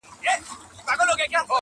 o هغه ځان بدل کړی دی ډېر,